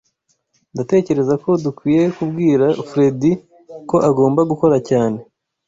Ndatekereza ko dukwiye kubwira Fredy ko agomba gukora cyane.